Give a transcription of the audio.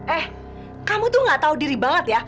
eh kamu tuh gak tahu diri banget ya